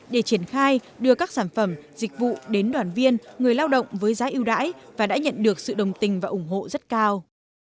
để triển khai đưa các sản phẩm dịch vụ đến đoàn viên người lao động với giá ưu đãi và đã nhận được sự đồng tình và ủng hộ rất cao